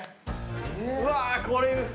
うわーこれ。